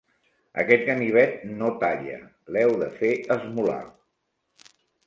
Aquest ganivet no talla: l'heu de fer esmolar.